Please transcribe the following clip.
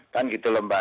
kan gitu lho mbak